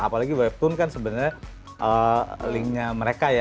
apalagi webtoon kan sebenarnya linknya mereka ya